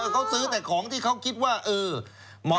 เขาซื้อแต่ของที่เขาคิดว่าเออ